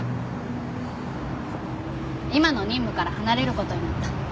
今の任務から離れることになった。